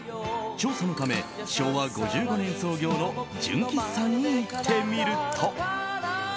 調査のため、昭和５５年創業の純喫茶に行ってみると。